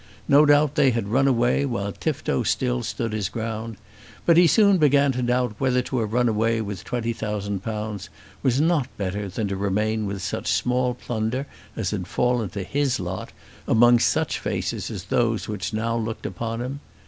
No doubt they had run away while Tifto still stood his ground; but he soon began to doubt whether to have run away with twenty thousand pounds was not better than to remain with such small plunder as had fallen to his lot, among such faces as those which now looked upon him!